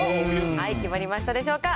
決まりましたでしょうか。